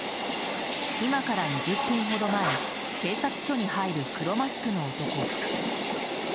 今から２０分ほど前警察署に入る黒マスクの男。